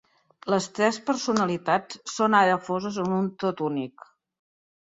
Les tres personalitats són ara foses en un tot únic.